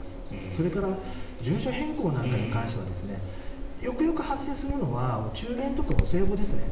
それから住所変更なんかに関してはよくよく発生するのはお中元とかお歳暮ですね。